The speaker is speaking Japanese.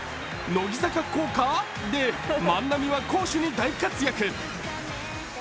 乃木坂効果？で万波は攻守に大活躍